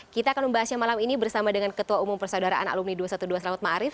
kita akan membahasnya malam ini bersama dengan ketua umum persaudaraan alumni dua ratus dua belas selamat ⁇ maarif ⁇